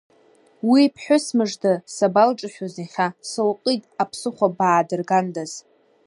Уи ԥҳәыс мыжда сабалҿашәоз иахьа, сылҟит, аԥсыхәа баа дыргандаз…